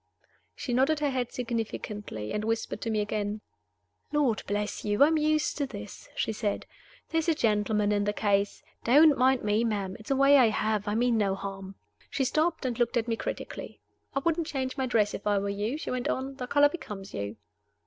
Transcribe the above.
She nodded her head significantly, and whispered to me again. "Lord bless you, I'm used to this!" she said. "There is a gentleman in the case. Don't mind me, ma'am. It's a way I have. I mean no harm." She stopped, and looked at me critically. "I wouldn't change my dress if I were you," she went on. "The color becomes you."